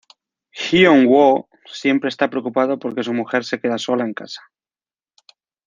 Hyeon-woo siempre esta preocupado porque su mujer se queda sola en casa.